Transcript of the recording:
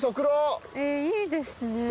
いいですね。